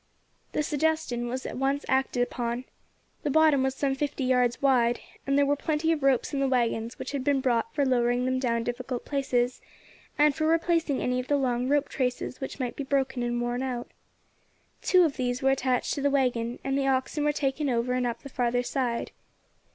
The suggestion was at once acted upon. The bottom was some fifty yards wide, and there were plenty of ropes in the waggons which had been brought for lowering them down difficult places, and for replacing any of the long rope traces which might be broken and worn out. Two of these were attached to the waggon, and the oxen were taken over and up the further side.